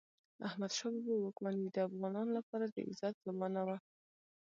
د احمدشاه بابا واکمني د افغانانو لپاره د عزت زمانه وه.